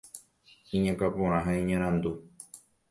Iñakã porã ha iñarandu.